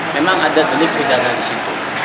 memang ada delik pidana disitu